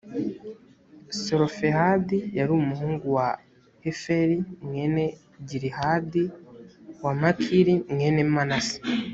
selofehadi yari umuhungu wa heferi mwene gilihadi wa makiri mwene manase.